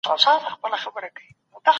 هغوی د بريا او سعادت لاره ولټوله.